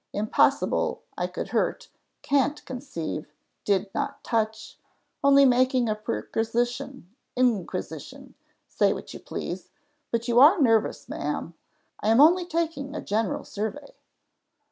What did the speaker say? Impossible I could hurt can't conceive did not touch only making a perquisition inquisition say what you please, but you are nervous, ma'am; I am only taking a general survey.